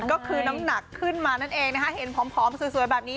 ก็คือน้ำหนักขึ้นมานั่นเองนะคะเห็นผอมสวยแบบนี้